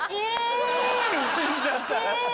死んじゃった。